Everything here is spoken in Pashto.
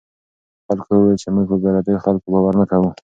خلکو وویل چې موږ په پردیو خلکو باور نه کوو.